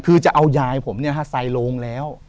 คุณยายผมใส่ลงแล้ว